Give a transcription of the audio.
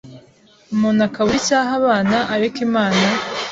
umuntu akabura icyo aha abana ariko Imana